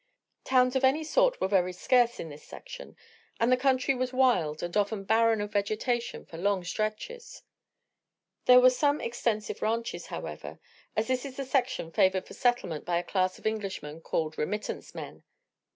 Towns of any sort were very scarce in this section and the country was wild and often barren of vegetation for long stretches. There were some extensive ranches, however, as this is the section favored for settlement by a class of Englishmen called "remittance men."